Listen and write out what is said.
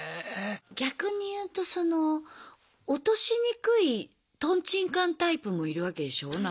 逆に言うとその落としにくいとんちんかんタイプもいるわけでしょう？